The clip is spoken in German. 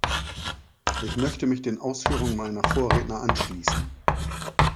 Ich möchte mich den Ausführungen meiner Vorredner anschließen.